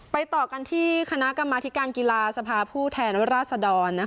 ต่อกันที่คณะกรรมธิการกีฬาสภาผู้แทนราษดร